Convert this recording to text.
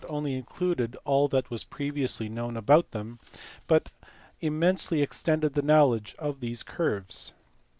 only included all that was previously known about them but immensely extended the knowledge of these curves.